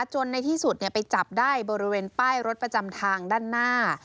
ในที่สุดไปจับได้บริเวณป้ายรถประจำทางด้านหน้า